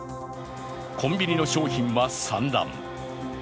コンビニの商品は散乱。